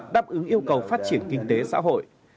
đáp ứng yêu cầu phát triển kinh tế xã hội